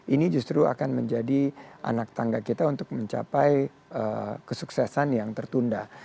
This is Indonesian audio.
ini justru akan menjadi anak tangga kita untuk mencapai kesuksesan yang tertunda